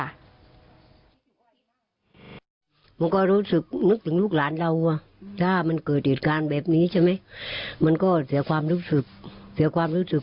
มันก็รู้สึกนึกถึงลูกหลานเราถ้ามันเกิดเหตุการณ์แบบนี้ใช่ไหมมันก็เสียความรู้สึกเสียความรู้สึก